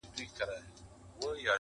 په جهان تر لغمانیو نورې نشته